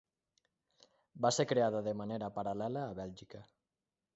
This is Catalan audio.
Va ser creada de manera paral·lela a Bèlgica.